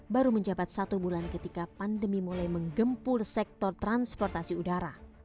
baru menjabat satu bulan ketika pandemi mulai menggempur sektor transportasi udara